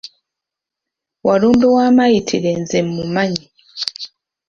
Walumbe wamayitire nze mumanyi.